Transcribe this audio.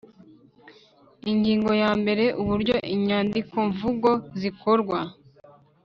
Ingingo ya mbere Uburyo inyandikomvugo zikorwa